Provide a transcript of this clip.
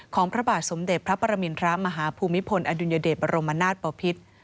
พระบาทสมเด็จพระปรมินทรมาฮภูมิพลอดุลยเดชบรมนาศปภิษ